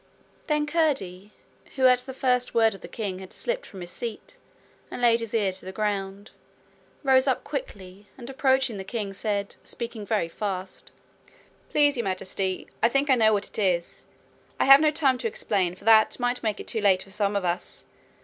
Then Curdie, who at the first word of the king had slipped from his seat, and laid his ear to the ground, rose up quickly, and approaching the king said, speaking very fast: 'Please, Your Majesty, I think I know what it is. I have no time to explain, for that might make it too late for some of us.